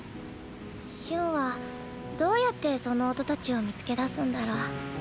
ヒュンはどうやってその音たちを見つけ出すんだろう。